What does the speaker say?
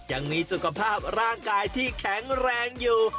ยังมีสุขภาพร่างกายที่แข็งแรงอยู่